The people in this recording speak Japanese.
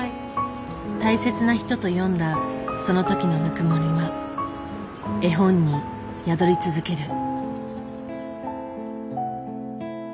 大切な人と読んだそのときのぬくもりは絵本に宿り続ける。